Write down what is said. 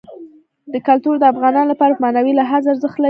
کلتور د افغانانو لپاره په معنوي لحاظ ارزښت لري.